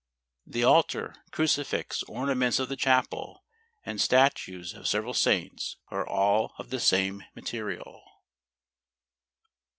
The altar, crucifix, ornaments of the chapel, and statues of several saints, are all of the same materials.